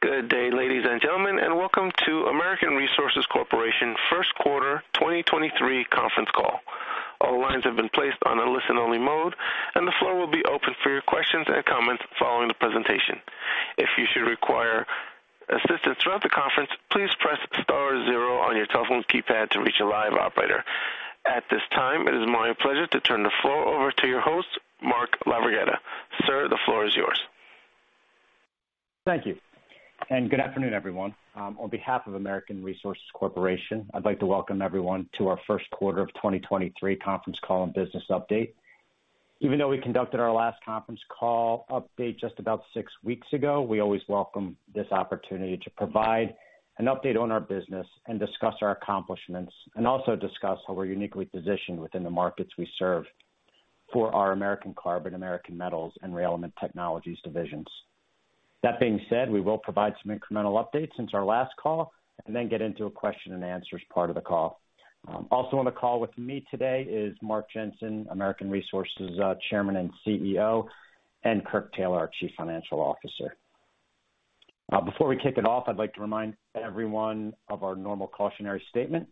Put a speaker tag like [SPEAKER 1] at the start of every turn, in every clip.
[SPEAKER 1] Good day, ladies and gentlemen, welcome to American Resources Corporation first quarter 2023 conference call. All lines have been placed on a listen-only mode, and the floor will be open for your questions and comments following the presentation. If you should require assistance throughout the conference, please press *0 on your telephone keypad to reach a live operator. At this time, it is my pleasure to turn the floor over to your host, Mark LaVerghetta. Sir, the floor is yours.
[SPEAKER 2] Thank you, good afternoon, everyone. On behalf of American Resources Corporation, I'd like to welcome everyone to our first quarter of 2023 conference call and business update. Even though we conducted our last conference call update just about 6 weeks ago, we always welcome this opportunity to provide an update on our business and discuss our accomplishments and also discuss how we're uniquely positioned within the markets we serve for our American Carbon, American Metals, and ReElement Technologies divisions. That being said, we will provide some incremental updates since our last call and then get into a question and answers part of the call. Also on the call with me today is Mark Jensen, American Resources, Chairman and CEO, and Kirk Taylor, our Chief Financial Officer. Before we kick it off, I'd like to remind everyone of our normal cautionary statement.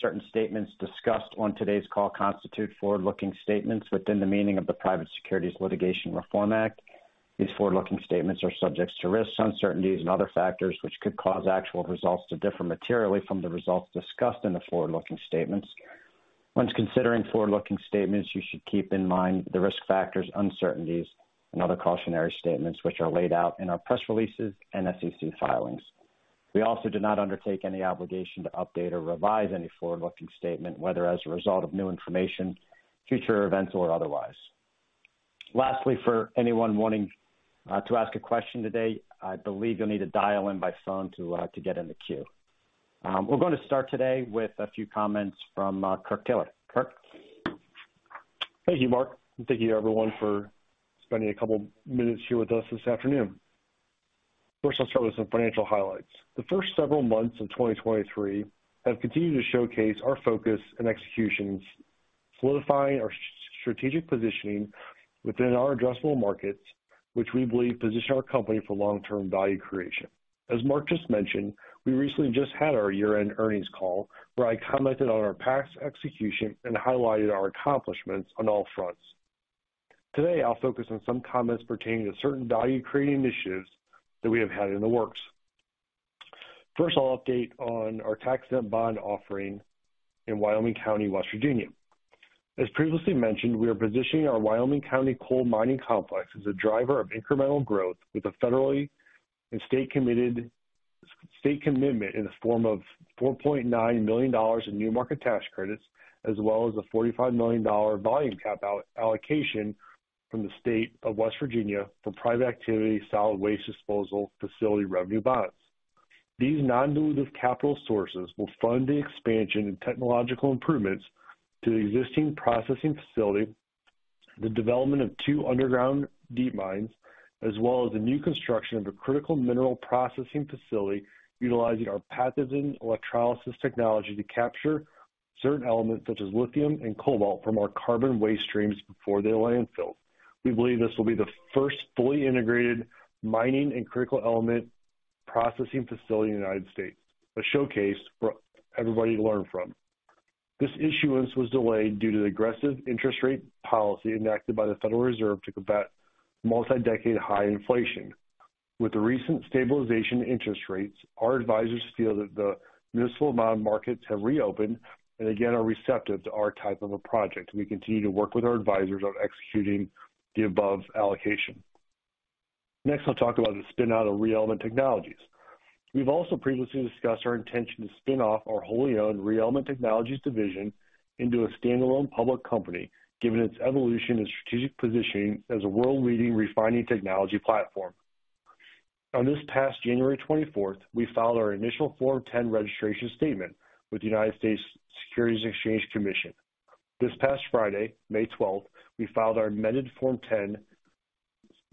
[SPEAKER 2] Certain statements discussed on today's call constitute forward-looking statements within the meaning of the Private Securities Litigation Reform Act. These forward-looking statements are subjects to risks, uncertainties and other factors which could cause actual results to differ materially from the results discussed in the forward-looking statements. When considering forward-looking statements, you should keep in mind the risk factors, uncertainties, and other cautionary statements which are laid out in our press releases and SEC filings. We also do not undertake any obligation to update or revise any forward-looking statement, whether as a result of new information, future events, or otherwise. Lastly, for anyone wanting to ask a question today, I believe you'll need to dial in by phone to get in the queue. We're gonna start today with a few comments from Kirk Taylor. Kirk.
[SPEAKER 3] Thank you, Mark. Thank you everyone for spending a couple minutes here with us this afternoon. First, I'll start with some financial highlights. The first several months of 2023 have continued to showcase our focus and executions, solidifying our strategic positioning within our addressable markets, which we believe position our company for long-term value creation. As Mark just mentioned, we recently just had our year-end earnings call, where I commented on our past execution and highlighted our accomplishments on all fronts. Today, I'll focus on some comments pertaining to certain value-creating initiatives that we have had in the works. First, I'll update on our tax-exempt bond offering in Wyoming County, West Virginia. As previously mentioned, we are positioning our Wyoming County coal mining complex as a driver of incremental growth with the federally and state commitment in the form of $4.9 million in New Markets Tax Credits, as well as a $45 million volume cap allocation from the state of West Virginia for private activity, solid waste disposal, facility revenue bonds. These non-dilutive capital sources will fund the expansion and technological improvements to the existing processing facility, the development of 2 underground deep mines, as well as the new construction of a critical mineral processing facility utilizing our pathogen electrolysis technology to capture certain elements such as lithium and cobalt from our carbon waste streams before they landfill. We believe this will be the first fully integrated mining and critical element processing facility in the United States, a showcase for everybody to learn from. This issuance was delayed due to the aggressive interest rate policy enacted by the Federal Reserve to combat multi-decade high inflation. With the recent stabilization interest rates, our advisors feel that the municipal bond markets have reopened and again are receptive to our type of a project. We continue to work with our advisors on executing the above allocation. I'll talk about the spin-out of ReElement Technologies. We've also previously discussed our intention to spin off our wholly owned ReElement Technologies division into a standalone public company, given its evolution and strategic positioning as a world-leading refining technology platform. On this past January 24th, we filed our initial Form 10 registration statement with the United States Securities Exchange Commission. This past Friday, May 12, we filed our amended Form 10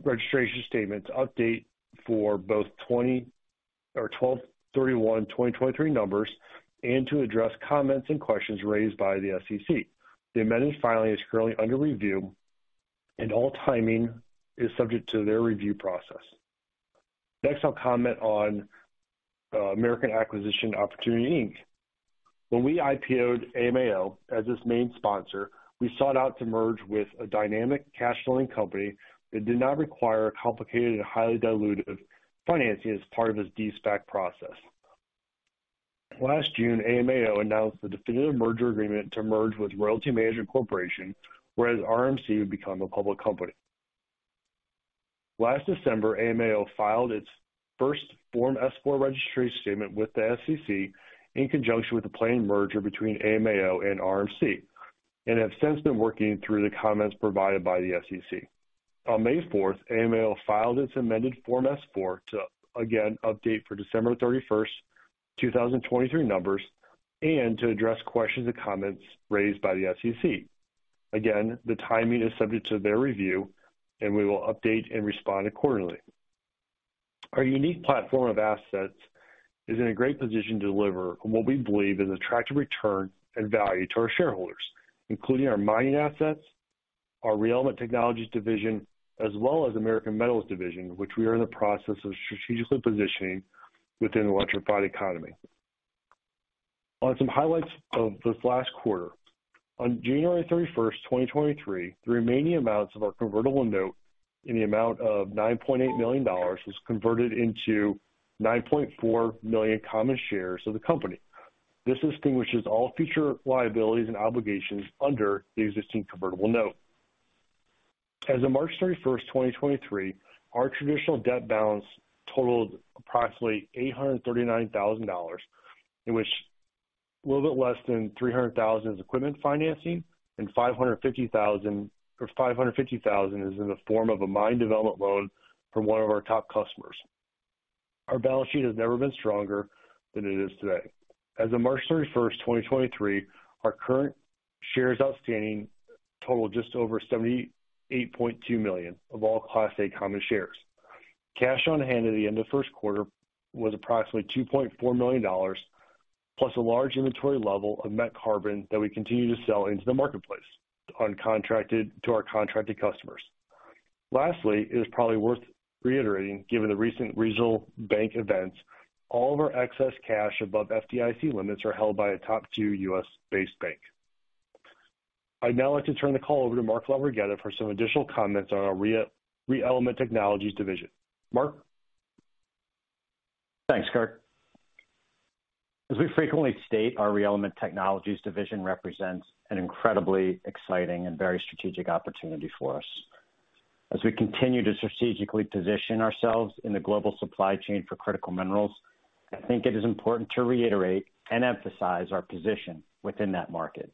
[SPEAKER 3] registration statement to update for both 12/31/2023 numbers and to address comments and questions raised by the SEC. The amended filing is currently under review. All timing is subject to their review process. Next, I'll comment on American Acquisition Opportunity Inc. When we IPO'd AMAO as its main sponsor, we sought out to merge with a dynamic cash flowing company that did not require complicated and highly dilutive financing as part of its de-SPAC process. Last June, AMAO announced the definitive merger agreement to merge with Royalty Management Corporation, whereas RMC would become a public company. Last December, AMAO filed its first Form S-4 registration statement with the SEC in conjunction with the planned merger between AMAO and RMC, and have since been working through the comments provided by the SEC. On May 4th, AMAO filed its amended Form S-4 to again update for December 31st, 2023 numbers and to address questions and comments raised by the SEC. The timing is subject to their review, and we will update and respond accordingly. Our unique platform of assets is in a great position to deliver what we believe is attractive return and value to our shareholders, including our mining assets, our ReElement Technologies division, as well as American Metals division, which we are in the process of strategically positioning within the electrified economy. Some highlights of this last quarter, on January 31st, 2023, the remaining amounts of our convertible note in the amount of $9.8 million was converted into 9.4 million common shares of the company. This extinguishes all future liabilities and obligations under the existing convertible note. As of March 31, 2023, our traditional debt balance totaled approximately $839,000, in which a little bit less than $300,000 is equipment financing and $550,000 is in the form of a mine development loan from one of our top customers. Our balance sheet has never been stronger than it is today. As of March 31, 2023, our current shares outstanding totaled just over 78.2 million of all Class A common shares. Cash on hand at the end of first quarter was approximately $2.4 million, plus a large inventory level of met carbon that we continue to sell into the marketplace uncontracted to our contracted customers. Lastly, it is probably worth reiterating, given the recent regional bank events, all of our excess cash above FDIC limits are held by a top two US.-based bank. I'd now like to turn the call over to Mark LaVerghetta for some additional comments on our ReElement Technologies division. Mark?
[SPEAKER 2] Thanks, Kirk. As we frequently state, our ReElement Technologies division represents an incredibly exciting and very strategic opportunity for us. As we continue to strategically position ourselves in the global supply chain for critical minerals, I think it is important to reiterate and emphasize our position within that market.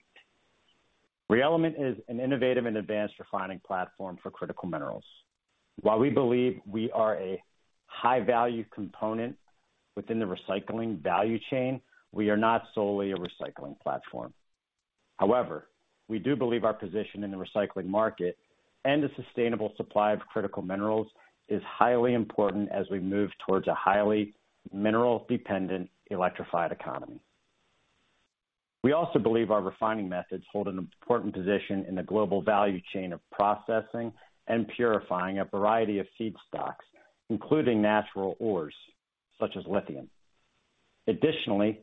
[SPEAKER 2] ReElement is an innovative and advanced refining platform for critical minerals. While we believe we are a high-value component within the recycling value chain, we are not solely a recycling platform. However, we do believe our position in the recycling market and the sustainable supply of critical minerals is highly important as we move towards a highly mineral-dependent electrified economy. We also believe our refining methods hold an important position in the global value chain of processing and purifying a variety of feedstocks, including natural ores such as lithium. Additionally,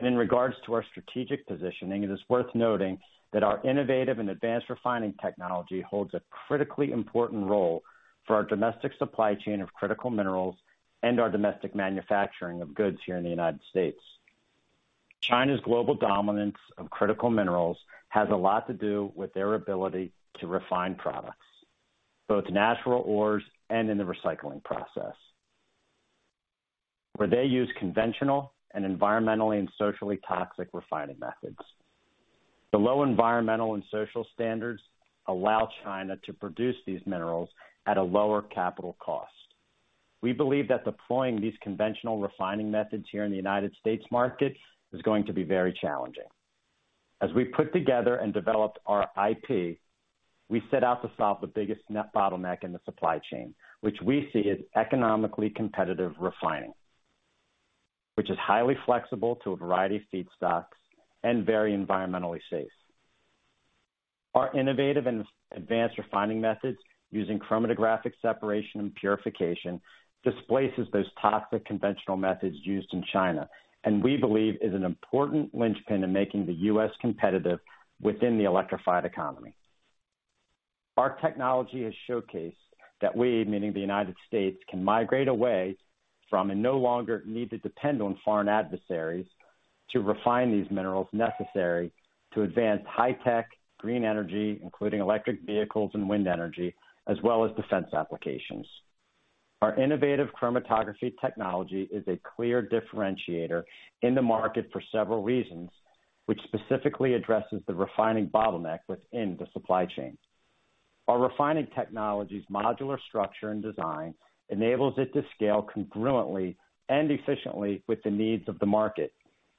[SPEAKER 2] in regards to our strategic positioning, it is worth noting that our innovative and advanced refining technology holds a critically important role for our domestic supply chain of critical minerals and our domestic manufacturing of goods here in the United States. China's global dominance of critical minerals has a lot to do with their ability to refine products, both natural ores and in the recycling process, where they use conventional and environmentally and socially toxic refining methods. The low environmental and social standards allow China to produce these minerals at a lower capital cost. We believe that deploying these conventional refining methods here in the United States market is going to be very challenging. As we put together and developed our IP, we set out to solve the biggest net bottleneck in the supply chain, which we see as economically competitive refining, which is highly flexible to a variety of feedstocks and very environmentally safe. Our innovative and advanced refining methods using chromatographic separation and purification displaces those toxic conventional methods used in China, and we believe is an important linchpin in making the U.S. competitive within the electrified economy. Our technology has showcased that we, meaning the United States, can migrate away from and no longer need to depend on foreign adversaries to refine these minerals necessary to advance high-tech green energy, including electric vehicles and wind energy, as well as defense applications. Our innovative chromatography technology is a clear differentiator in the market for several reasons, which specifically addresses the refining bottleneck within the supply chain. Our refining technology's modular structure and design enables it to scale congruently and efficiently with the needs of the market,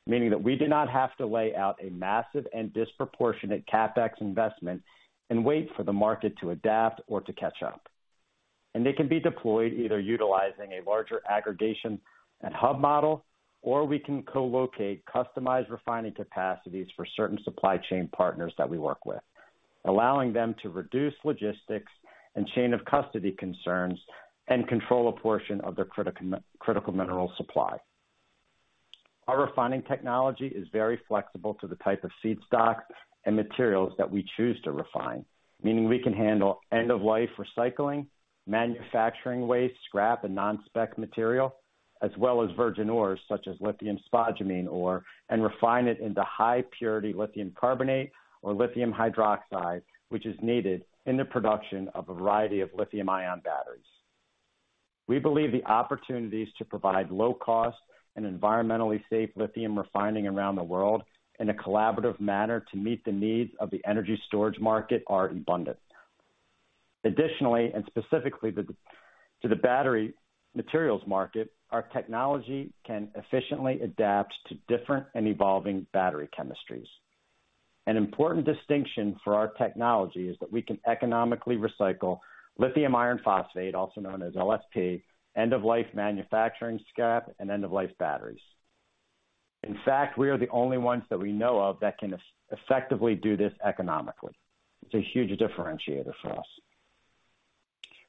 [SPEAKER 2] meaning that we do not have to lay out a massive and disproportionate CapEx investment and wait for the market to adapt or to catch up. They can be deployed either utilizing a larger aggregation and hub model, or we can co-locate customized refining capacities for certain supply chain partners that we work with, allowing them to reduce logistics and chain of custody concerns and control a portion of their critical mineral supply. Our refining technology is very flexible to the type of feedstock and materials that we choose to refine, meaning we can handle end-of-life recycling, manufacturing waste, scrap, and non-spec material, as well as virgin ores such as lithium spodumene ore, and refine it into high purity lithium carbonate or lithium hydroxide, which is needed in the production of a variety of lithium-ion batteries. We believe the opportunities to provide low cost and environmentally safe lithium refining around the world in a collaborative manner to meet the needs of the energy storage market are abundant. Additionally, and specifically to the battery materials market, our technology can efficiently adapt to different and evolving battery chemistries. An important distinction for our technology is that we can economically recycle lithium iron phosphate, also known as LFP, end-of-life manufacturing scrap, and end-of-life batteries. In fact, we are the only ones that we know of that can effectively do this economically. It's a huge differentiator for us.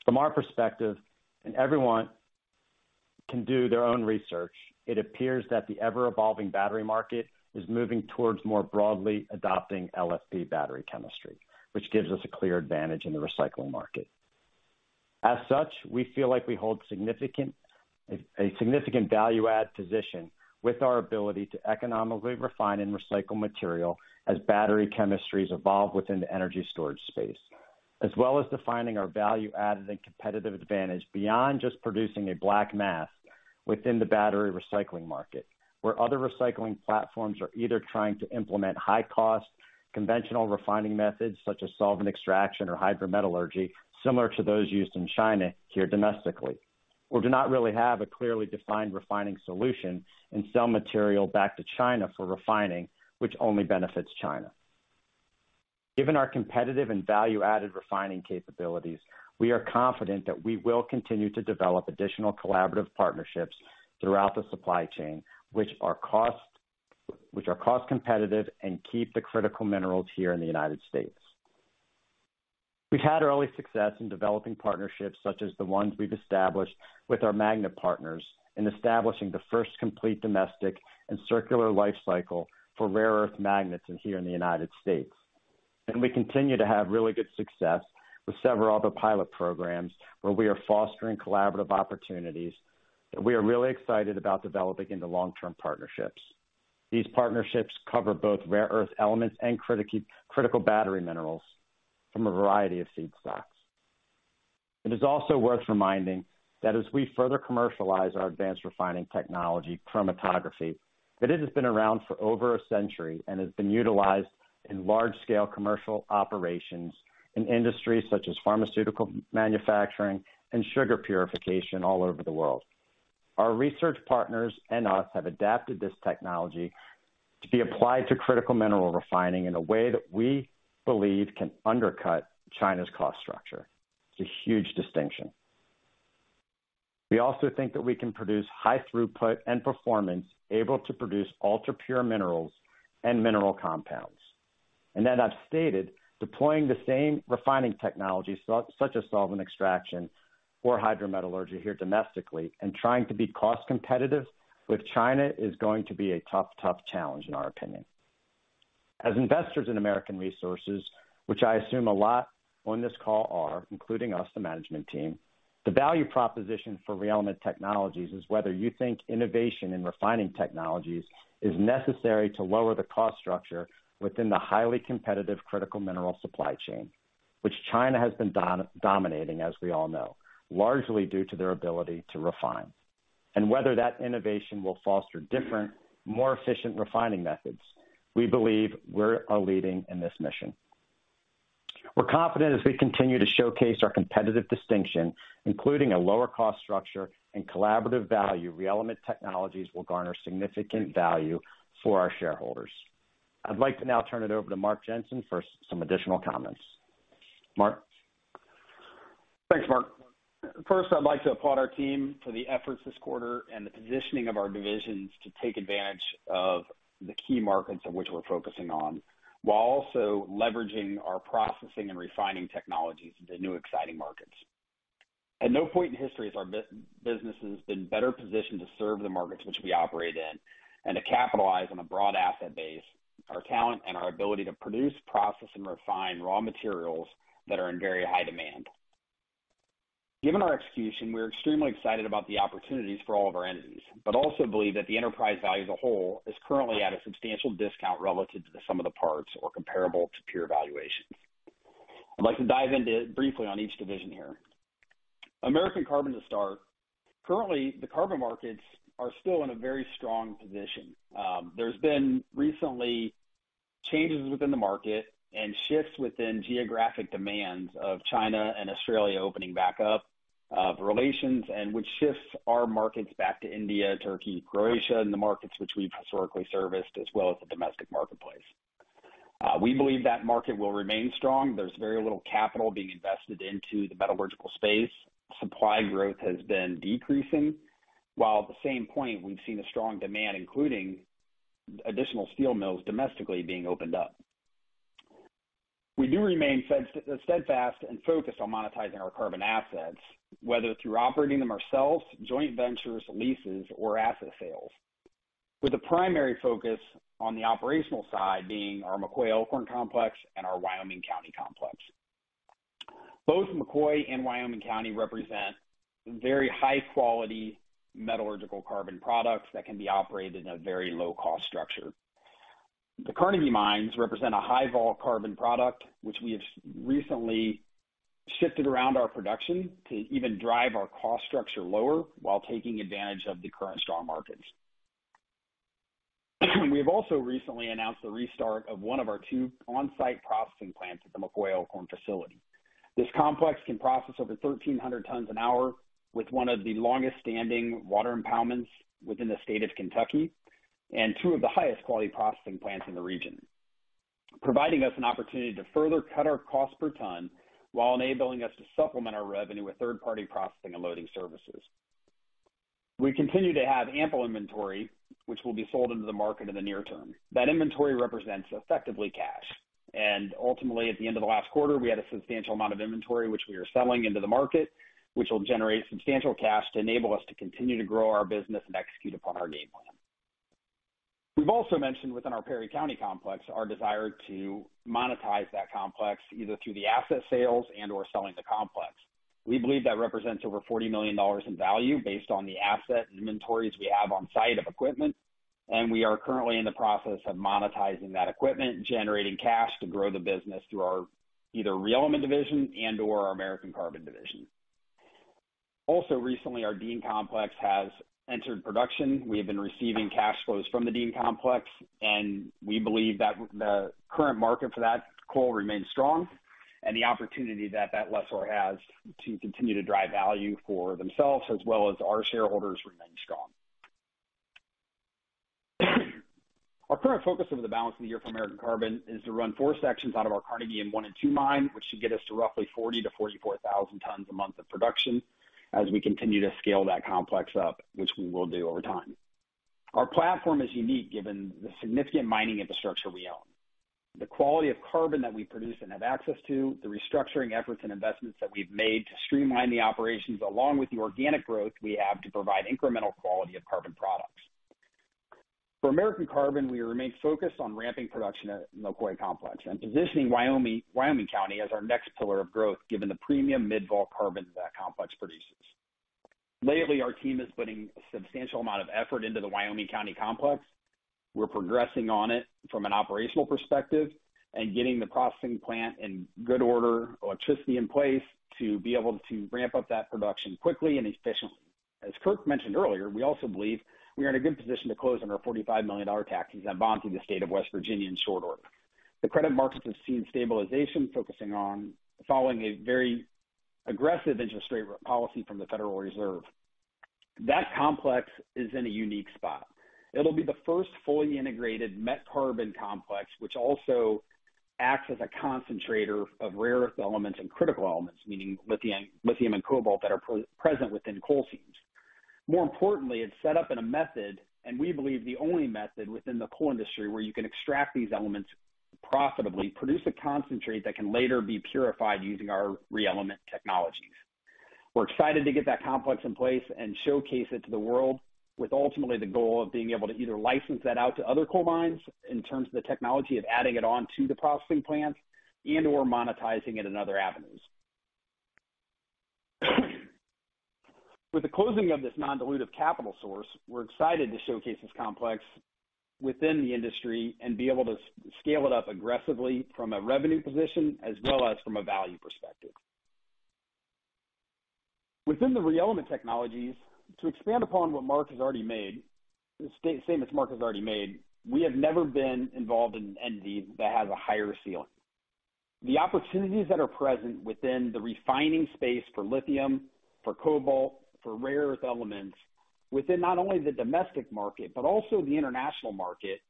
[SPEAKER 2] From our perspective, and everyone can do their own research, it appears that the ever-evolving battery market is moving towards more broadly adopting LFP battery chemistry, which gives us a clear advantage in the recycling market. As such, we feel like we hold a significant value add position with our ability to economically refine and recycle material as battery chemistries evolve within the energy storage space, as well as defining our value-added and competitive advantage beyond just producing a black mass within the battery recycling market, where other recycling platforms are either trying to implement high cost conventional refining methods such as solvent extraction or hydrometallurgy, similar to those used in China here domestically, or do not really have a clearly defined refining solution and sell material back to China for refining, which only benefits China. Given our competitive and value-added refining capabilities, we are confident that we will continue to develop additional collaborative partnerships throughout the supply chain, which are cost competitive and keep the critical minerals here in the United States. We've had early success in developing partnerships such as the ones we've established with our magnet partners in establishing the first complete domestic and circular life cycle for rare earth magnets here in the United States. We continue to have really good success with several other pilot programs where we are fostering collaborative opportunities that we are really excited about developing into long-term partnerships. These partnerships cover both rare earth elements and critical battery minerals from a variety of seed stocks. It is also worth reminding that as we further commercialize our advanced refining technology chromatography, that it has been around for over a century and has been utilized in large scale commercial operations in industries such as pharmaceutical manufacturing and sugar purification all over the world. Our research partners and us have adapted this technology to be applied to critical mineral refining in a way that we believe can undercut China's cost structure. It's a huge distinction. We also think that we can produce high throughput and performance able to produce ultra-pure minerals and mineral compounds. I've stated deploying the same refining technologies such as solvent extraction or hydrometallurgy here domestically and trying to be cost competitive with China is going to be a tough challenge in our opinion. As investors in American Resources, which I assume a lot on this call are, including us, the management team, the value proposition for ReElement Technologies is whether you think innovation in refining technologies is necessary to lower the cost structure within the highly competitive critical mineral supply chain, which China has been dominating, as we all know, largely due to their ability to refine. Whether that innovation will foster different, more efficient refining methods. We believe we are leading in this mission. We're confident as we continue to showcase our competitive distinction, including a lower cost structure and collaborative value, ReElement Technologies will garner significant value for our shareholders. I'd like to now turn it over to Mark Jensen for some additional comments. Mark?
[SPEAKER 4] Thanks, Mark. First, I'd like to applaud our team for the efforts this quarter and the positioning of our divisions to take advantage of the key markets in which we're focusing on, while also leveraging our processing and refining technologies into new exciting markets. At no point in history has our businesses been better positioned to serve the markets which we operate in and to capitalize on a broad asset base, our talent, and our ability to produce, process, and refine raw materials that are in very high demand. Given our execution, we're extremely excited about the opportunities for all of our entities, but also believe that the enterprise value as a whole is currently at a substantial discount relative to the sum of the parts or comparable to peer valuations. I'd like to dive into briefly on each division here. American Carbon to start. Currently, the carbon markets are still in a very strong position. There's been recently changes within the market and shifts within geographic demands of China and Australia opening back up, relations and which shifts our markets back to India, Turkey, Croatia, and the markets which we've historically serviced, as well as the domestic marketplace. We believe that market will remain strong. There's very little capital being invested into the metallurgical space. Supply growth has been decreasing, while at the same point, we've seen a strong demand, including additional steel mills domestically being opened up. We do remain steadfast and focused on monetizing our carbon assets, whether through operating them ourselves, joint ventures, leases, or asset sales. With the primary focus on the operational side being our McCoy Elkhorn Complex and our Wyoming County Complex. Both McCoy and Wyoming County represent very high-quality metallurgical carbon products that can be operated in a very low cost structure. The Carnegie mines represent a high-vol carbon product, which we have recently shifted around our production to even drive our cost structure lower while taking advantage of the current strong markets. We have also recently announced the restart of one of our two on-site processing plants at the McCoy Elkhorn facility. This complex can process over 1,300 tons an hour with one of the longest standing water impoundments within the state of Kentucky and two of the highest quality processing plants in the region. Providing us an opportunity to further cut our cost per ton while enabling us to supplement our revenue with third-party processing and loading services. We continue to have ample inventory, which will be sold into the market in the near term. That inventory represents effectively cash. Ultimately, at the end of the last quarter, we had a substantial amount of inventory, which we are selling into the market, which will generate substantial cash to enable us to continue to grow our business and execute upon our game plan. We've also mentioned within our Perry County Complex our desire to monetize that complex either through the asset sales and/or selling the complex. We believe that represents over $40 million in value based on the asset inventories we have on site of equipment. We are currently in the process of monetizing that equipment, generating cash to grow the business through our either ReElement division and/or our American Carbon division. Recently, our Dean Complex has entered production. We have been receiving cash flows from the Dean Complex. We believe that the current market for that coal remains strong, and the opportunity that that lessor has to continue to drive value for themselves as well as our shareholders remains strong. Our current focus over the balance of the year for American Carbon is to run four sections out of our Carnegie One and Two mine, which should get us to roughly 40,000-44,000 tons a month of production as we continue to scale that complex up, which we will do over time. Our platform is unique given the significant mining infrastructure we own. The quality of carbon that we produce and have access to, the restructuring efforts and investments that we've made to streamline the operations along with the organic growth we have to provide incremental quality of carbon products. For American Carbon, we remain focused on ramping production at the McCoy Complex and positioning Wyoming County as our next pillar of growth given the premium mid-vol carbons that complex produces. Lately, our team is putting a substantial amount of effort into the Wyoming County Complex. We're progressing on it from an operational perspective and getting the processing plant in good order, electricity in place to be able to ramp up that production quickly and efficiently. As Kirk mentioned earlier, we also believe we are in a good position to close on our $45 million taxes and bonds in the state of West Virginia in short order. The credit markets have seen stabilization focusing on following a very aggressive interest rate policy from the Federal Reserve. That complex is in a unique spot. It'll be the first fully integrated met carbon complex, which also acts as a concentrator of rare earth elements and critical elements, meaning lithium and cobalt that are pre-present within coal seams. More importantly, it's set up in a method, and we believe the only method within the coal industry where you can extract these elements profitably, produce a concentrate that can later be purified using our ReElement Technologies. We're excited to get that complex in place and showcase it to the world with ultimately the goal of being able to either license that out to other coal mines in terms of the technology of adding it on to the processing plants and/or monetizing it in other avenues. With the closing of this non-dilutive capital source, we're excited to showcase this complex within the industry and be able to scale it up aggressively from a revenue position as well as from a value perspective. Within ReElement Technologies to expand upon what Mark has already made, statement Mark has already made, we have never been involved in an end need that has a higher ceiling. The opportunities that are present within the refining space for lithium, for cobalt, for rare earth elements within not only the domestic market, but also the international market,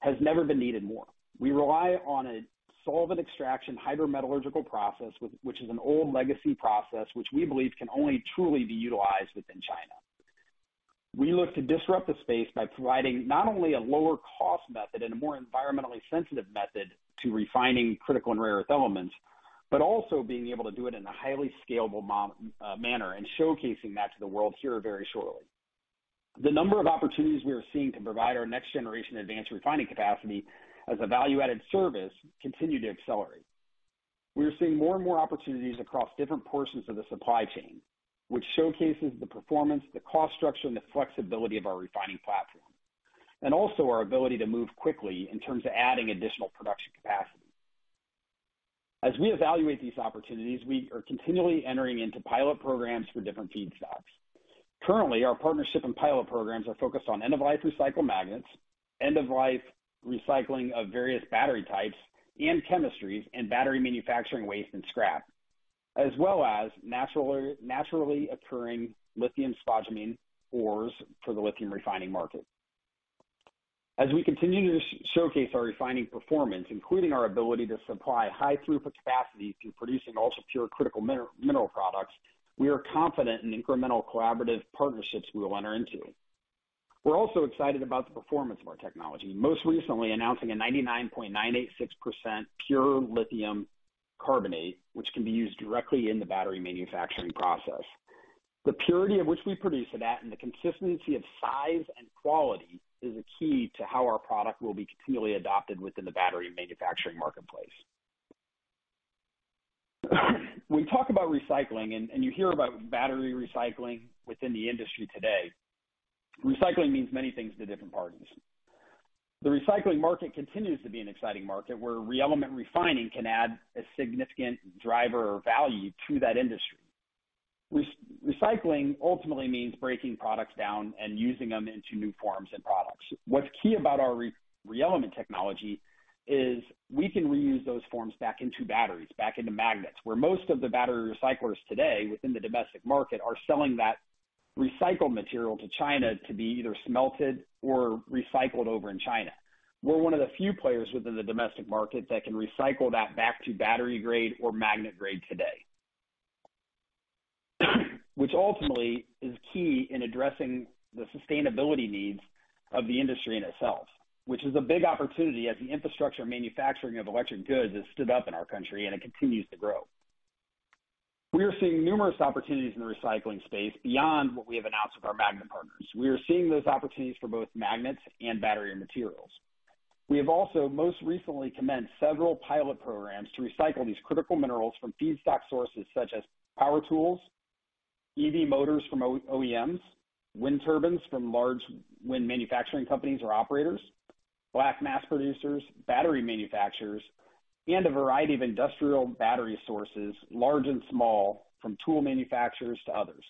[SPEAKER 4] has never been needed more. We rely on a solvent extraction hydrometallurgical process, which is an old legacy process, which we believe can only truly be utilized within China. We look to disrupt the space by providing not only a lower cost method and a more environmentally sensitive method to refining critical and rare earth elements, but also being able to do it in a highly scalable manner and showcasing that to the world here very shortly. The number of opportunities we are seeing to provide our next generation advanced refining capacity as a value-added service continue to accelerate. We are seeing more and more opportunities across different portions of the supply chain, which showcases the performance, the cost structure, and the flexibility of our refining platform, and also our ability to move quickly in terms of adding additional production capacity. As we evaluate these opportunities, we are continually entering into pilot programs for different feedstocks. Currently, our partnership and pilot programs are focused on end-of-life recycled magnets, end-of-life recycling of various battery types and chemistries and battery manufacturing waste and scrap, as well as naturally occurring lithium spodumene ores for the lithium refining market. As we continue to showcase our refining performance, including our ability to supply high throughput capacity through producing ultra-pure critical mineral products, we are confident in the incremental collaborative partnerships we will enter into. We're also excited about the performance of our technology, most recently announcing a 99.986% pure lithium carbonate, which can be used directly in the battery manufacturing process. The purity of which we produce that and the consistency of size and quality is a key to how our product will be continually adopted within the battery manufacturing marketplace. When we talk about recycling and you hear about battery recycling within the industry today, recycling means many things to different parties. The recycling market continues to be an exciting market where ReElement refining can add a significant driver value to that industry. Recycling ultimately means breaking products down and using them into new forms and products. What's key about our ReElement technology is we can reuse those forms back into batteries, back into magnets, where most of the battery recyclers today within the domestic market are selling that recycled material to China to be either smelted or recycled over in China. We're one of the few players within the domestic market that can recycle that back to battery grade or magnet grade today. Which ultimately is key in addressing the sustainability needs of the industry in itself, which is a big opportunity as the infrastructure manufacturing of electric goods has stood up in our country and it continues to grow. We are seeing numerous opportunities in the recycling space beyond what we have announced with our magnet partners. We are seeing those opportunities for both magnets and battery materials. We have also most recently commenced several pilot programs to recycle these critical minerals from feedstock sources such as power tools, EV motors from OEMs, wind turbines from large wind manufacturing companies or operators, black mass producers, battery manufacturers, and a variety of industrial battery sources, large and small, from tool manufacturers to others.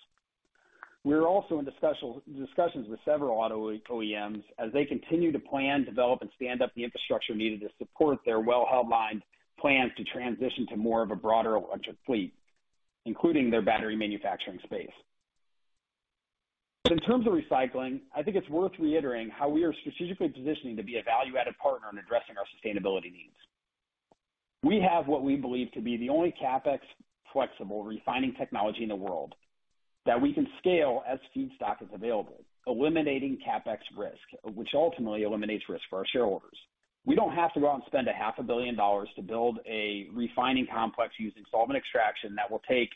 [SPEAKER 4] We are also into special discussions with several auto OEMs as they continue to plan, develop, and stand up the infrastructure needed to support their well-publicized plans to transition to more of a broader electric fleet, including their battery manufacturing space. In terms of recycling, I think it's worth reiterating how we are strategically positioning to be a value-added partner in addressing our sustainability needs. We have what we believe to be the only CapEx flexible refining technology in the world that we can scale as feedstock is available, eliminating CapEx risk, which ultimately eliminates risk for our shareholders. We don't have to go out and spend a half a billion dollars to build a refining complex using solvent extraction that will take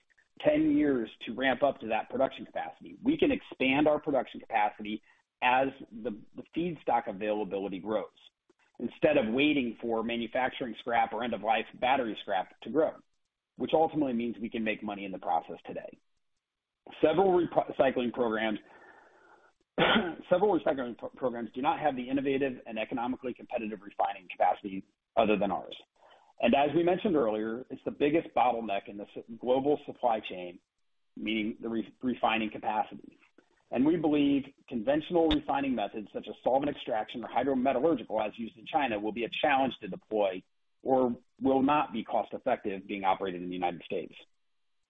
[SPEAKER 4] 10 years to ramp up to that production capacity. We can expand our production capacity as the feedstock availability grows, instead of waiting for manufacturing scrap or end-of-life battery scrap to grow, which ultimately means we can make money in the process today. Several recycling programs do not have the innovative and economically competitive refining capacity other than ours. As we mentioned earlier, it's the biggest bottleneck in the global supply chain, meaning the refining capacity. We believe conventional refining methods such as solvent extraction or hydrometallurgical, as used in China, will be a challenge to deploy or will not be cost effective being operated in the United States.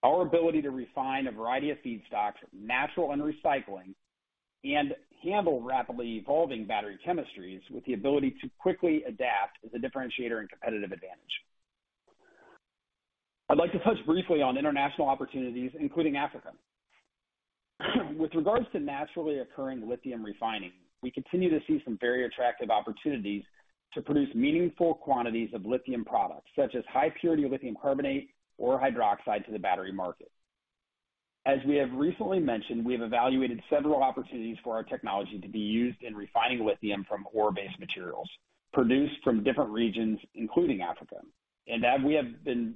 [SPEAKER 4] Our ability to refine a variety of feedstocks, natural and recycling, and handle rapidly evolving battery chemistries with the ability to quickly adapt is a differentiator and competitive advantage. I'd like to touch briefly on international opportunities, including Africa. With regards to naturally occurring lithium refining, we continue to see some very attractive opportunities to produce meaningful quantities of lithium products such as high purity lithium carbonate or hydroxide to the battery market. As we have recently mentioned, we have evaluated several opportunities for our technology to be used in refining lithium from ore-based materials produced from different regions, including Africa, and that we have been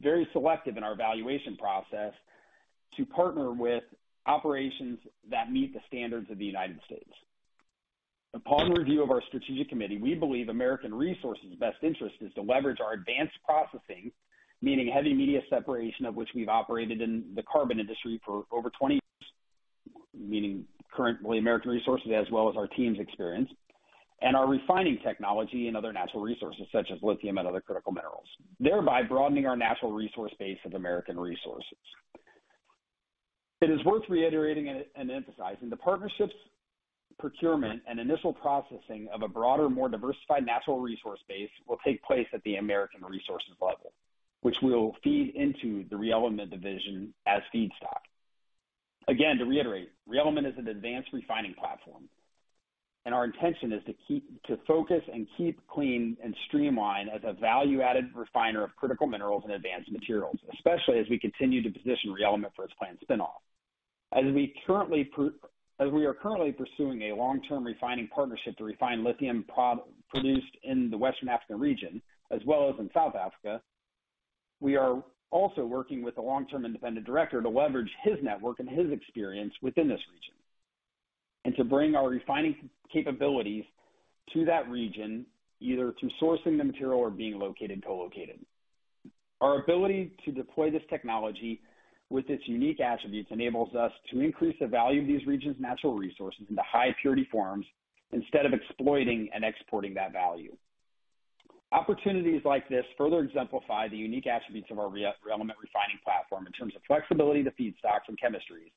[SPEAKER 4] very selective in our evaluation process to partner with operations that meet the standards of the United States. Upon review of our strategic committee, we believe American Resources' best interest is to leverage our advanced processing, meaning heavy media separation of which we've operated in the carbon industry for over 20 years, meaning currently American Resources as well as our team's experience, and our refining technology in other natural resources such as lithium and other critical minerals, thereby broadening our natural resource base of American Resources. It is worth reiterating and emphasizing the partnerships, procurement, and initial processing of a broader, more diversified natural resource base will take place at the American Resources level, which will feed into the ReElement division as feedstock. Again, to reiterate, ReElement is an advanced refining platform, and our intention is to focus and keep clean and streamline as a value-added refiner of critical minerals and advanced materials, especially as we continue to position ReElement for its planned spin-off. As we are currently pursuing a long-term refining partnership to refine lithium produced in the Western African region as well as in South Africa, we are also working with a long-term independent director to leverage his network and his experience within this region, and to bring our refining capabilities to that region, either through sourcing the material or being located and co-located. Our ability to deploy this technology with its unique attributes enables us to increase the value of these regions' natural resources into high purity forms instead of exploiting and exporting that value. Opportunities like this further exemplify the unique attributes of our ReElement refining platform in terms of flexibility to feedstocks and chemistries,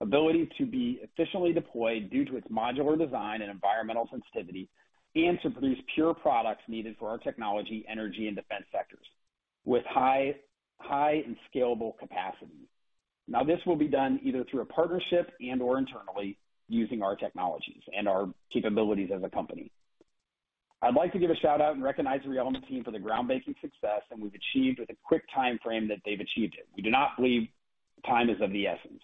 [SPEAKER 4] ability to be efficiently deployed due to its modular design and environmental sensitivity, and to produce pure products needed for our technology, energy, and defense sectors with high and scalable capacity. This will be done either through a partnership and/or internally using our technologies and our capabilities as a company. I'd like to give a shout out and recognize the ReElement team for the groundbreaking success that we've achieved with the quick timeframe that they've achieved it. We do not believe time is of the essence.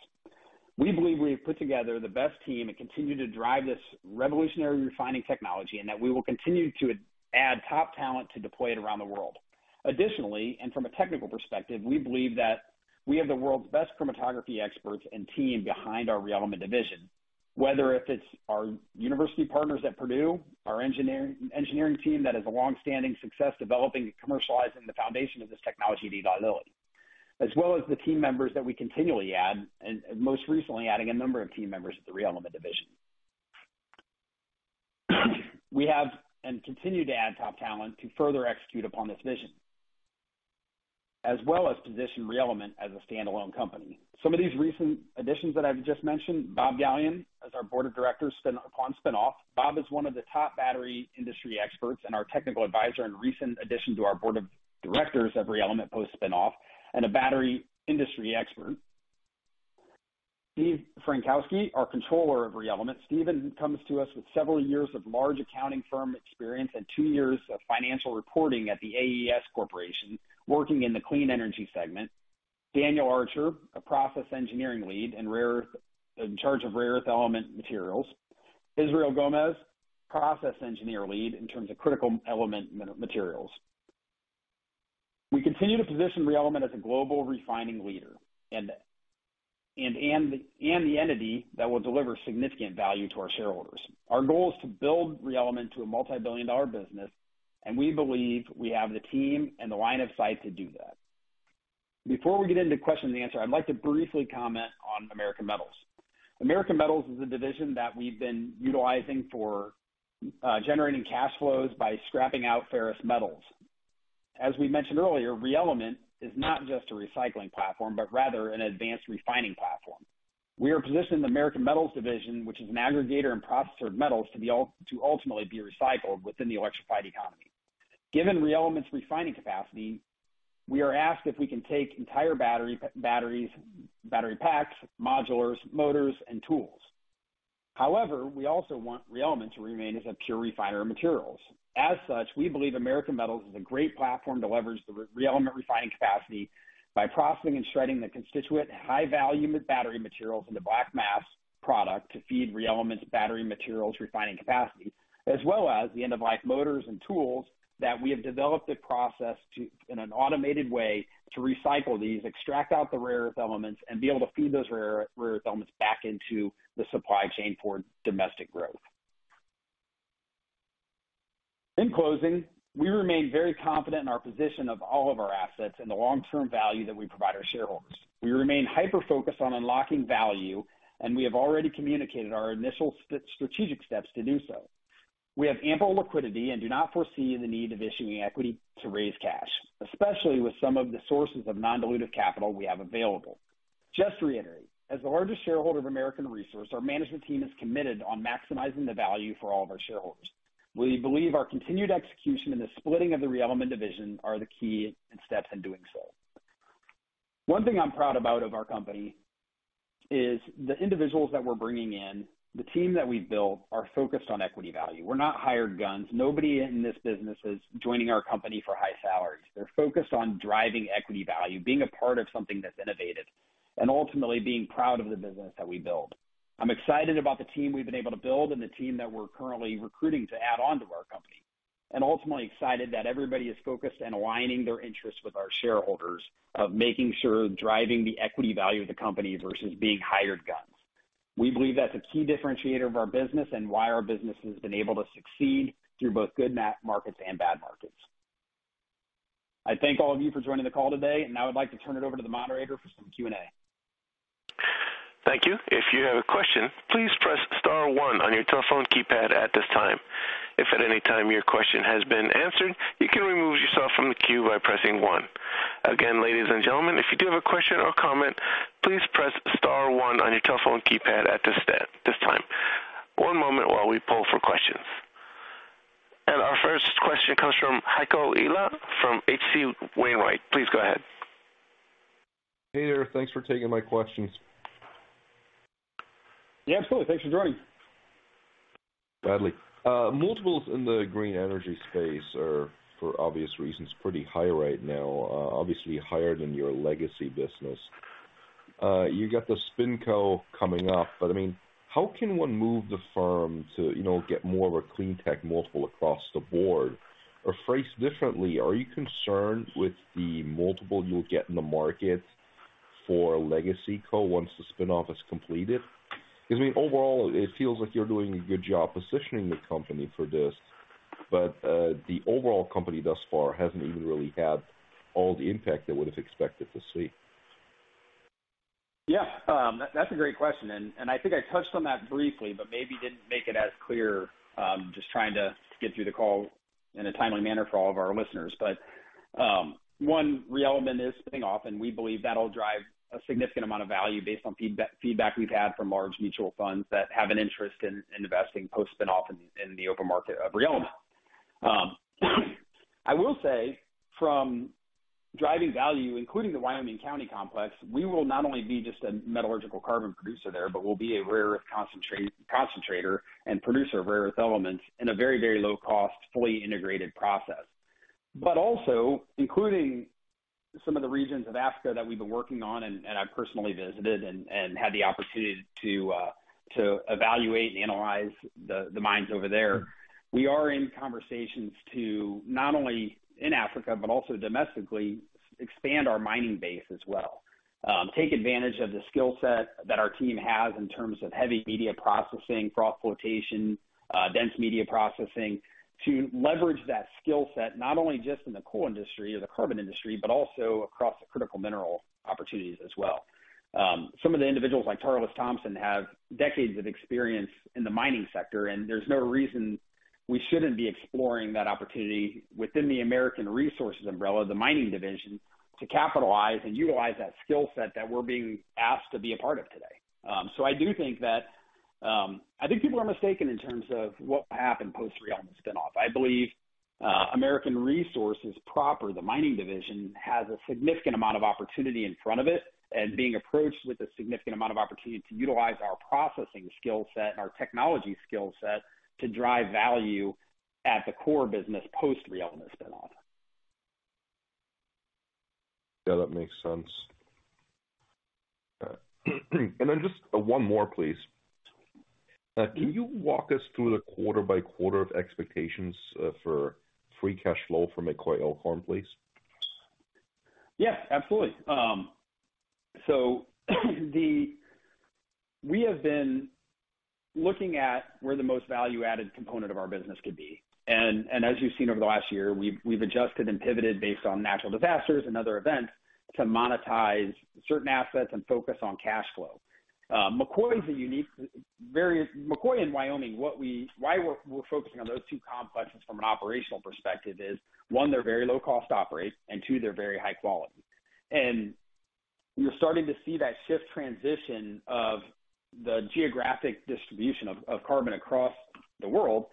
[SPEAKER 4] We believe we have put together the best team and continue to drive this revolutionary refining technology, and that we will continue to add top talent to deploy it around the world. Additionally, from a technical perspective, we believe that we have the world's best chromatography experts and team behind our ReElement division, whether if it's our university partners at Purdue University, our engineering team that has a long-standing success developing and commercializing the foundation of this technology reliability. As well as the team members that we continually add, and most recently adding a number of team members at the ReElement division. We have and continue to add top talent to further execute upon this vision, as well as position ReElement as a standalone company. Some of these recent additions that I've just mentioned, Bob Galyen, as our board of directors upon spin-off. Bob is one of the top battery industry experts and our technical advisor and recent addition to our board of directors at ReElement post-spin-off and a battery industry expert. Steven Frankowski, our Controller of ReElement. Steven comes to us with several years of large accounting firm experience and two years of financial reporting at The AES Corporation, working in the clean energy segment. Daniel Archer, a process engineering lead in charge of rare earth element materials. Israel Gomez, process engineer lead in terms of critical element materials. We continue to position ReElement as a global refining leader and the entity that will deliver significant value to our shareholders. Our goal is to build ReElement to a multi-billion dollar business. We believe we have the team and the line of sight to do that. Before we get into question and answer, I'd like to briefly comment on American Metals. American Metals is a division that we've been utilizing for generating cash flows by scrapping out ferrous metals. As we mentioned earlier, ReElement is not just a recycling platform, but rather an advanced refining platform. We are positioned in the American Metals division, which is an aggregator and processor of metals, to ultimately be recycled within the electrified economy. Given ReElement's refining capacity, we are asked if we can take entire batteries, battery packs, modulars, motors and tools. However, we also want ReElement to remain as a pure refiner of materials. As such, we believe American Metals is a great platform to leverage the ReElement refining capacity by processing and shredding the constituent high-volume battery materials into black mass product to feed ReElement's battery materials refining capacity, as well as the end-of-life motors and tools that we have developed a process to, in an automated way, to recycle these, extract out the rare earth elements, and be able to feed those rare earth elements back into the supply chain for domestic growth. In closing, we remain very confident in our position of all of our assets and the long-term value that we provide our shareholders. We remain hyper-focused on unlocking value. We have already communicated our initial strategic steps to do so. We have ample liquidity and do not foresee the need of issuing equity to raise cash, especially with some of the sources of non-dilutive capital we have available. Just to reiterate, as the largest shareholder of American Resources, our management team is committed on maximizing the value for all of our shareholders. We believe our continued execution in the splitting of the ReElement division are the key steps in doing so. One thing I'm proud about of our company is the individuals that we're bringing in, the team that we've built are focused on equity value. We're not hired guns. Nobody in this business is joining our company for high salaries. They're focused on driving equity value, being a part of something that's innovative and ultimately being proud of the business that we build. I'm excited about the team we've been able to build and the team that we're currently recruiting to add on to our company. Ultimately excited that everybody is focused and aligning their interests with our shareholders of making sure driving the equity value of the company versus being hired guns. We believe that's a key differentiator of our business and why our business has been able to succeed through both good markets and bad markets. I thank all of you for joining the call today, and now I'd like to turn it over to the moderator for some Q&A.
[SPEAKER 1] Thank you. If you have a question, please press *1 on your telephone keypad at this time. If at any time your question has been answered, you can remove yourself from the queue by pressing 1. Again, ladies and gentlemen, if you do have a question or comment, please press *1 on your telephone keypad at this time. One moment while we poll for questions. Our first question comes from Heiko Ihle from H.C. Wainwright. Please go ahead.
[SPEAKER 5] Hey there. Thanks for taking my questions.
[SPEAKER 4] Yeah, absolutely. Thanks for joining.
[SPEAKER 5] Gladly. Multiples in the green energy space are, for obvious reasons, pretty high right now, obviously higher than your legacy business. You got the spin co coming up, I mean, how can one move the firm to, you know, get more of a clean tech multiple across the board? Phrased differently, are you concerned with the multiple you'll get in the market for legacy co once the spin-off is completed? I mean, overall, it feels like you're doing a good job positioning the company for this, but, the overall company thus far hasn't even really had all the impact I would've expected to see.
[SPEAKER 4] Yeah. That, that's a great question, and I think I touched on that briefly, but maybe didn't make it as clear, just trying to get through the call in a timely manner for all of our listeners. One, ReElement is spinning off, and we believe that'll drive a significant amount of value based on feedback we've had from large mutual funds that have an interest in investing post-spin-off in the open market of ReElement. I will say from driving value, including the Wyoming County complex, we will not only be just a metallurgical carbon producer there, but we'll be a rare earth concentrator and producer of rare earth elements in a very, very low cost, fully integrated process. Also, including some of the regions of Africa that we've been working on and I personally visited and had the opportunity to evaluate and analyze the mines over there, we are in conversations to not only in Africa, but also domestically expand our mining base as well. Take advantage of the skill set that our team has in terms of heavy media processing, froth flotation, dense media separation. To leverage that skill set, not only just in the coal industry or the carbon industry, but also across the critical mineral opportunities as well. Some of the individuals like Tarlis Thompson have decades of experience in the mining sector, and there's no reason we shouldn't be exploring that opportunity within the American Resources umbrella, the mining division, to capitalize and utilize that skill set that we're being asked to be a part of today. I do think that I think people are mistaken in terms of what will happen post ReElement spinoff. I believe American Resources proper, the mining division, has a significant amount of opportunity in front of it and being approached with a significant amount of opportunity to utilize our processing skill set and our technology skill set to drive value at the core business post-ReElement spinoff.
[SPEAKER 5] Yeah, that makes sense. Then just one more, please. Can you walk us through the quarter by quarter of expectations, for free cash flow from McCoy Elkhorn, please?
[SPEAKER 4] Yeah, absolutely. We have been looking at where the most value-added component of our business could be. As you've seen over the last year, we've adjusted and pivoted based on natural disasters and other events to monetize certain assets and focus on cash flow. McCoy is a unique, very McCoy and Wyoming, why we're focusing on those 2 complexes from an operational perspective is, one, they're very low cost to operate, and two, they're very high quality. You're starting to see that shift transition of the geographic distribution of carbon across the world.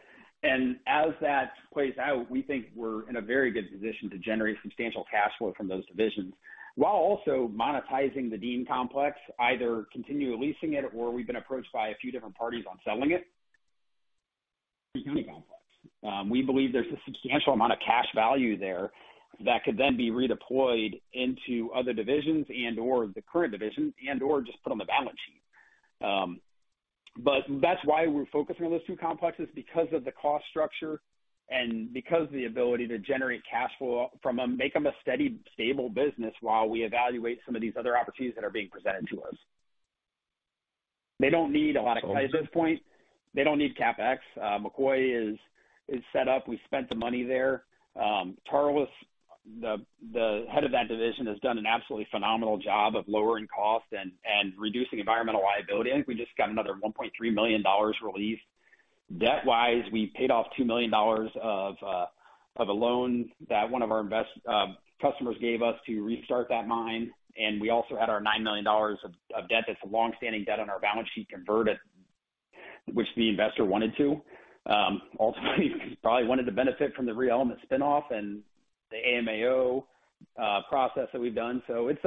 [SPEAKER 4] As that plays out, we think we're in a very good position to generate substantial cash flow from those divisions while also monetizing the Dean Complex, either continue leasing it or we've been approached by a few different parties on selling it. We believe there's a substantial amount of cash value there that could then be redeployed into other divisions and/or the current division and/or just put on the balance sheet. That's why we're focusing on those two complexes because of the cost structure and because of the ability to generate cash flow from them, make them a steady, stable business while we evaluate some of these other opportunities that are being presented to us. They don't need a lot of CapEx. They don't need CapEx. McCoy is set up. We spent the money there. Tarlis, the head of that division, has done an absolutely phenomenal job of lowering costs and reducing environmental liability. I think we just got another $1.3 million relief. Debt-wise, we paid off $2 million of a loan that one of our customers gave us to restart that mine. We also had our $9 million of debt that's a long-standing debt on our balance sheet converted, which the investor wanted to. Ultimately, probably wanted to benefit from the ReElement spinoff and the AMAO process that we've done. It's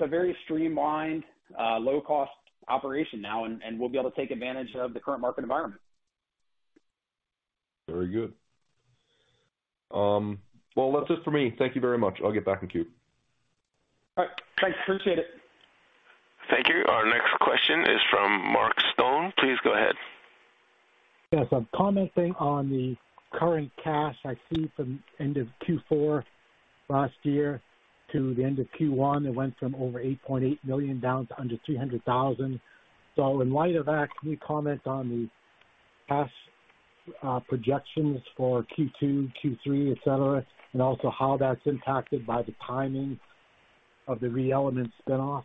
[SPEAKER 4] a very streamlined, low-cost operation now, and we'll be able to take advantage of the current market environment.
[SPEAKER 5] Very good. That's it for me. Thank you very much. I'll get back in queue.
[SPEAKER 4] All right. Thanks. Appreciate it.
[SPEAKER 1] Thank you. Our next question is from Mark Stone. Please go ahead.
[SPEAKER 6] Yes. I'm commenting on the current cash I see from end of Q4 last year to the end of Q1. It went from over $8.8 million down to under $300,000. In light of that, can you comment on the cash, projections for Q2, Q3, et cetera, and also how that's impacted by the timing of the ReElement spinoff?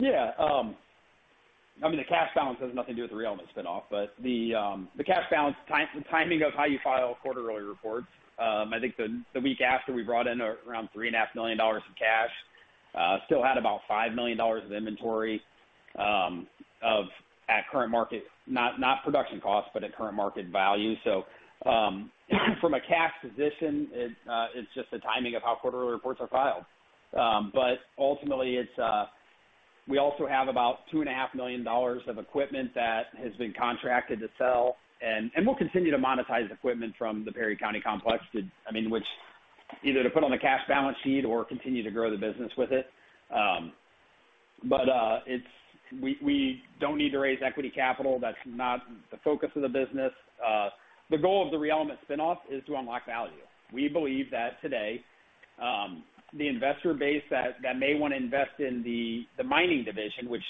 [SPEAKER 4] I mean, the cash balance has nothing to do with the ReElement spinoff. The cash balance timing of how you file quarterly reports, I think the week after we brought in around $3.5 million of cash, still had about $5 million of inventory of at current market, not production cost, but at current market value. From a cash position, it's just the timing of how quarterly reports are filed. Ultimately, we also have about $2.5 million of equipment that has been contracted to sell, and we'll continue to monetize equipment from the Perry County Complex to which either to put on the cash balance sheet or continue to grow the business with it. We don't need to raise equity capital. That's not the focus of the business. The goal of the ReElement spinoff is to unlock value. We believe that today, the investor base that may wanna invest in the mining division, which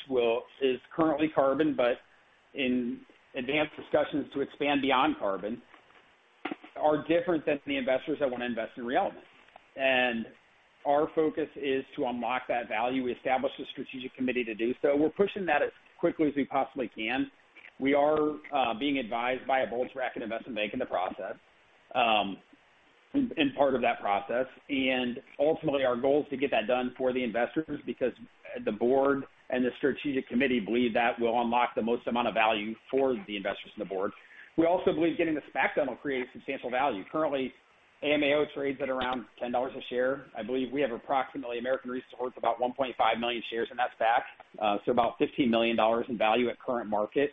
[SPEAKER 4] is currently carbon, but in advanced discussions to expand beyond carbon, are different than the investors that wanna invest in ReElement. Our focus is to unlock that value. We established a strategic committee to do so. We're pushing that as quickly as we possibly can. We are being advised by a bulge bracket investment bank in the process, in part of that process. Ultimately, our goal is to get that done for the investors because the board and the strategic committee believe that will unlock the most amount of value for the investors and the board. We also believe getting the SPAC done will create a substantial value. Currently, AMAO trades at around $10 a share. I believe we have approximately American Resources, about 1.5 million shares in that SPAC, so about $15 million in value at current market.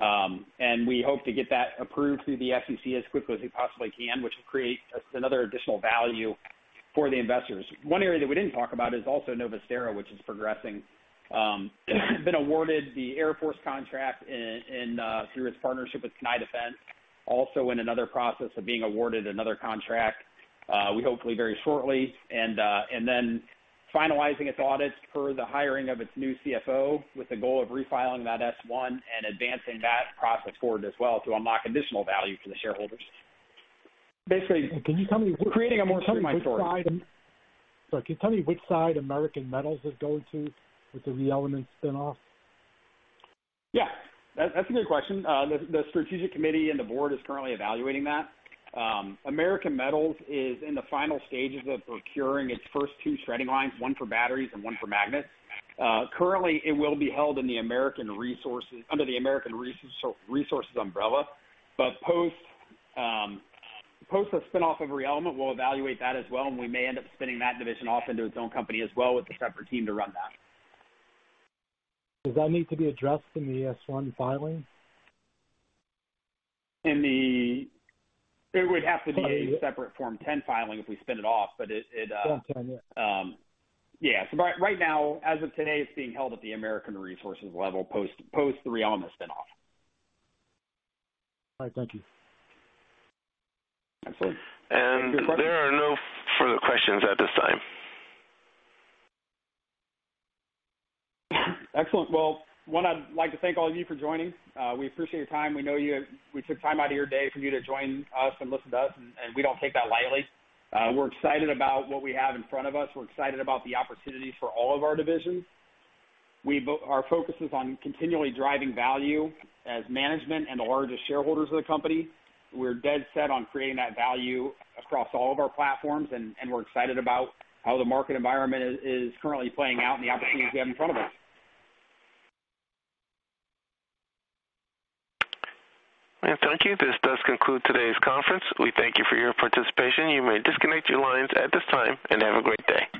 [SPEAKER 4] We hope to get that approved through the SEC as quickly as we possibly can, which will create another additional value for the investors. One area that we didn't talk about is also Novusterra, which is progressing. Been awarded the Air Force contract in through its partnership with CNI Defense. In another process of being awarded another contract, we hopefully very shortly and then finalizing its audits per the hiring of its new CFO with the goal of refiling that S-1 and advancing that process forward as well to unlock additional value for the shareholders.
[SPEAKER 6] Can you tell me...
[SPEAKER 4] Creating a more streamlined story.
[SPEAKER 6] Sorry, can you tell me which side American Metals is going to with the ReElement spinoff?
[SPEAKER 4] Yeah, that's a good question. The strategic committee and the board is currently evaluating that. American Metals is in the final stages of procuring its first two shredding lines, one for batteries and one for magnets. Currently, it will be held under the American Resources umbrella. Post the spinoff of ReElement, we'll evaluate that as well, and we may end up spinning that division off into its own company as well with a separate team to run that.
[SPEAKER 6] Does that need to be addressed in the S-1 filing?
[SPEAKER 4] It would have to be a separate Form 10 filing if we spin it off, but it.
[SPEAKER 6] Form 10, yeah.
[SPEAKER 4] Yeah. Right now, as of today, it's being held at the American Resources level, post the ReElement spinoff.
[SPEAKER 6] All right, thank you.
[SPEAKER 4] That's it.
[SPEAKER 1] There are no further questions at this time.
[SPEAKER 4] Excellent. Well, one, I'd like to thank all of you for joining. We appreciate your time. We know we took time out of your day for you to join us and listen to us, and we don't take that lightly. We're excited about what we have in front of us. We're excited about the opportunities for all of our divisions. Our focus is on continually driving value as management and the largest shareholders of the company. We're dead set on creating that value across all of our platforms and we're excited about how the market environment is currently playing out and the opportunities we have in front of us.
[SPEAKER 1] Thank you. This does conclude today's conference. We thank you for your participation. You may disconnect your lines at this time and have a great day.